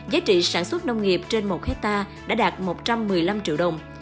giá trị sản xuất nông nghiệp trên một hectare đã đạt một trăm một mươi năm triệu đồng